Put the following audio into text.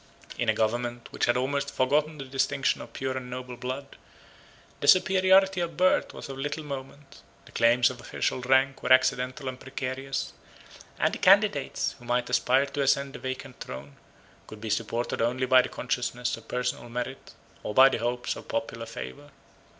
In a government which had almost forgotten the distinction of pure and noble blood, the superiority of birth was of little moment; the claims of official rank were accidental and precarious; and the candidates, who might aspire to ascend the vacant throne could be supported only by the consciousness of personal merit, or by the hopes of popular favor.